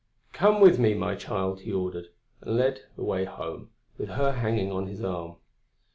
"Come with me, my child," he ordered, and led the way home, with her hanging on his arm.